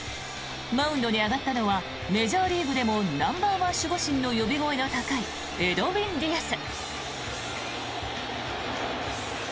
マウンドに上がったのはメジャーリーグでもナンバーワン守護神の呼び声の高いエドウィン・ディアス。